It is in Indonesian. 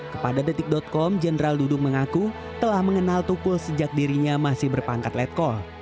kepada detik com jenderal dudung mengaku telah mengenal tukul sejak dirinya masih berpangkat letkol